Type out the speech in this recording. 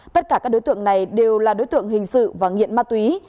tất cả các đối tượng này đều là đối tượng hình sự và nghiện ma túy